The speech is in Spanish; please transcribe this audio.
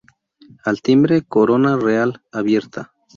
Al timbre Corona Real abierta.